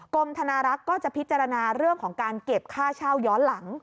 กรมธนารักษ์ก็จะพิจารณาเรื่องของการเก็บค่าเช่าย้อนหลัง